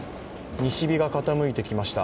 西日が傾いてきました。